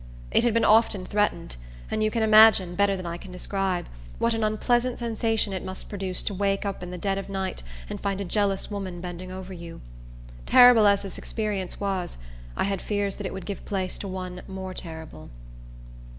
It had been often threatened; and you can imagine, better than I can describe, what an unpleasant sensation it must produce to wake up in the dead of night and find a jealous woman bending over you. Terrible as this experience was, I had fears that it would give place to one more terrible.